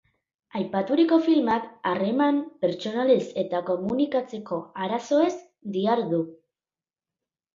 Aipaturiko filmak harreman pertsonalez eta komunikatzeko arazoez dihardu.